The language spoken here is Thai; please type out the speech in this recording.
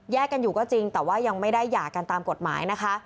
กันอยู่ก็จริงแต่ว่ายังไม่ได้หย่ากันตามกฎหมายนะคะ